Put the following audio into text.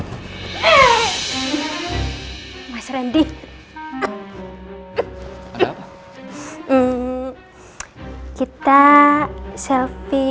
kalian tau gak orang susahony